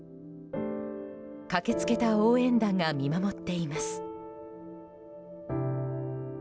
駆け付けた応援団が見守っています。